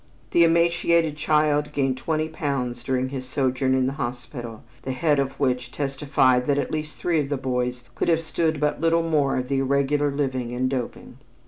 The emaciated child gained twenty pounds during his sojourn in the hospital, the head of which testified that at least three of the boys could have stood but little more of the irregular living and doping.